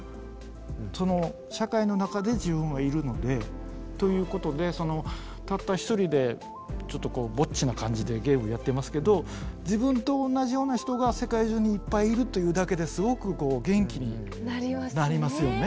その社会の中で自分はいるので。ということでたった一人でちょっとぼっちな感じでゲームやってますけど自分と同じような人が世界中にいっぱいいるというだけですごく元気になりますよね。